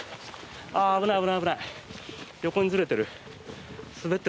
危ない、危ない。